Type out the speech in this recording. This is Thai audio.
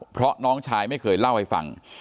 เพราะน้องชายไม่เคยเล่าให้ฟัง